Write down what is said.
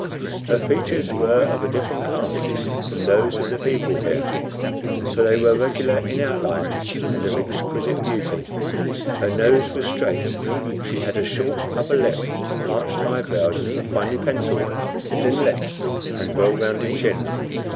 Her features were of a different cast from those of the people here, for they were regular in outline and of exquisite beauty; her nose was straight; she had a short upper lip, arched eyebrows finely pencilled, thin lips, and well rounded chin.